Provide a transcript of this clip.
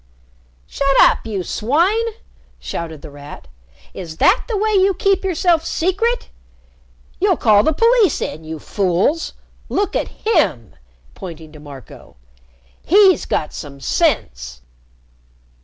"Shut up, you swine!" shouted The Rat. "Is that the way you keep yourself secret? You'll call the police in, you fools! Look at him!" pointing to Marco. "He's got some sense."